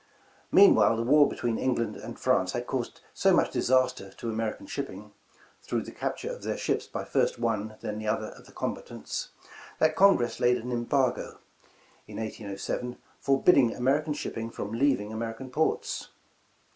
Meanwhile the war between England and France had caused so much disaster to American shipping, through the capture of their ships by first one, then the other of the combatants, that Congress laid an '^ embargo" in 1807, forbidding American shipping from leaving American ports.